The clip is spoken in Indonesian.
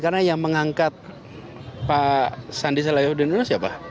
karena yang mengangkat pak sandiaguno siapa